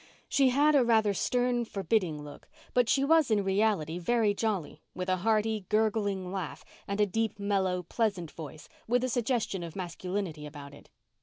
She had a rather stern, forbidding look, but she was in reality very jolly, with a hearty, gurgling laugh and a deep, mellow, pleasant voice with a suggestion of masculinity about it.